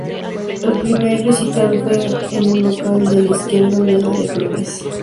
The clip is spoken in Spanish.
El primer recital fue en un local de la Izquierda Unida de Flores.